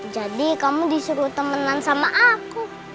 jadi kamu disuruh temenan sama aku